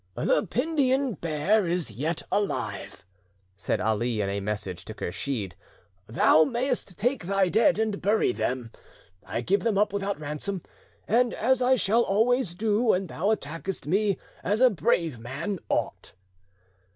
"The Pindian bear is yet alive," said Ali in a message to Kursheed; "thou mayest take thy dead and bury them; I give them up without ransom, and as I shall always do when thou attackest me as a brave man ought."